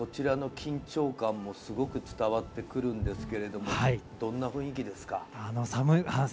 壮の声でそちらの緊張感もすごく伝わってくるんですけど、どんな雰囲気ですか？